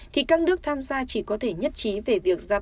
thì các nước tham gia chỉ có thể nhất trí về việc